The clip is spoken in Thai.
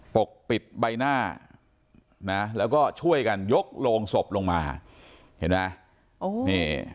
ปกปิดใบหน้านะแล้วก็ช่วยกันยกโรงศพลงมาเห็นไหมโอ้นี่